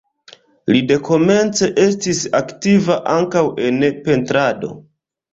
Li dekomence estis aktiva ankaŭ en pentrado.